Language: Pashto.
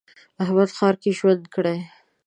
احمد ښار کې ژوند کړی.